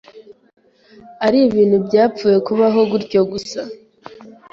ari ibintu byapfuye kubaho gutyo gusa